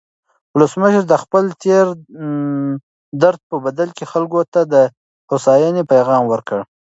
ولسمشر د خپل تېر درد په بدل کې خلکو ته د هوساینې پیغام ورکړ.